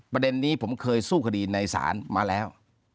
ประเด็นนี้ผมเคยสู้คดีในศาลมาแล้ว